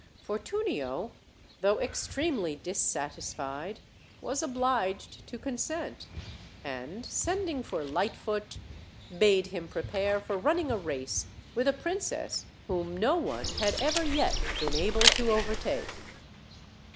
Fortunio, though extremely dissatis fied, was obliged to consent; and, sending for Lightfoot, bade him prepare for running a race with a princess whom no one had ever yet been able to overtake.